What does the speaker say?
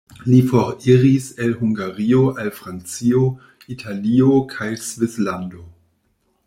Li foriris el Hungario al Francio, Italio kaj Svislando.